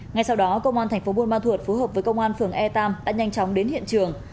ngay sau đó công an thành phố buôn ma thuột phối hợp với công an phường e tam đã nhanh chóng đến hiện trường